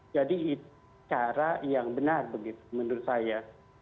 jadi itu cara yang benar begitu menurut saya